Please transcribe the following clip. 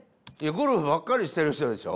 ゴルフばっかりしてる人でしょ？